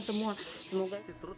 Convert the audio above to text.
semoga semuanya semoga